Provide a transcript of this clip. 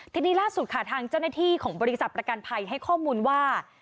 ทีนี้ล่าสุดค่ะทางเจ้าหน้าที่ของบริษัทประกันภัยให้ข้อมูลว่า